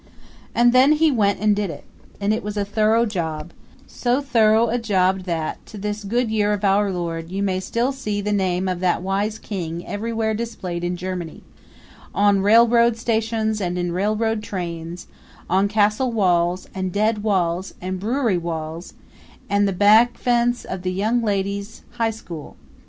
And then he went and did it; and it was a thorough job so thorough a job that, to this good year of our Lord you may still see the name of that wise king everywhere displayed in Germany on railroad stations and in railroad trains; on castle walls and dead walls and brewery walls, and the back fence of the Young Ladies' High School.